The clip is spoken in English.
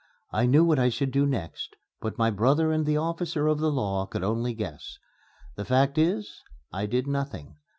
I knew what I should do next, but my brother and the officer of the law could only guess. The fact is I did nothing.